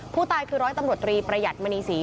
ผู้ตายคือร้อยตำรวจตรีประหยัดมณีศรี